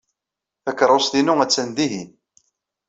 Takeṛṛust-inu attan dihin.